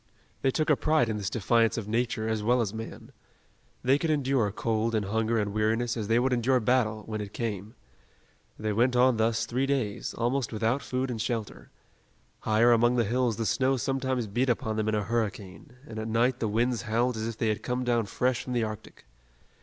They took a pride in this defiance of nature as well as man. They could endure cold and hunger and weariness as they would endure battle, when it came. They went on thus three days, almost without food and shelter. Higher among the hills the snow sometimes beat upon them in a hurricane, and at night the winds howled as if they had come down fresh from the Arctic.